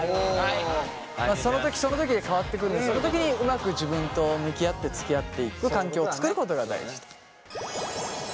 そのときそのときで変わってくるのでそのときにうまく自分と向き合ってつきあっていく環境を作ることが大事。